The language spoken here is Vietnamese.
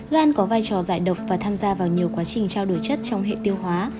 gan có vai trò giải độc và tham gia vào nhiều quá trình trao đổi chất trong hệ tiêu hóa